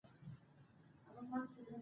ژوند د انسان د هیلو پر بنسټ روان وي.